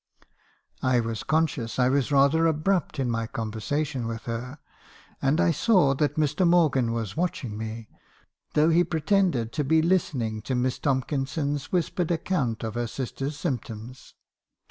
"I was conscious I was rather abrupt in my conversation with her, and I saw that Mr. Morgan was watching me , though he pretended to be listening to Miss Tomkinson's whispered ac count of her sister's symptoms.